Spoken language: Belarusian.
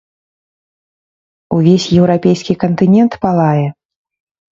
Увесь еўрапейскі кантынент палае.